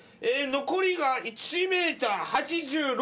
残りが１ｍ８６。